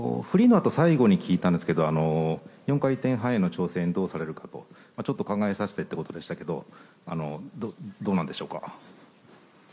フリーのあと、最後に聞いたんですけど、４回転半への挑戦、どうされるのかと、ちょっと考えさせてってことでしたけど、どうなんでしょうか？